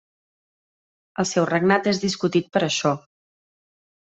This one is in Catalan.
El seu regnat és discutit per això.